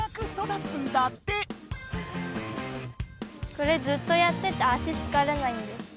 これずっとやってて足つかれないんですか？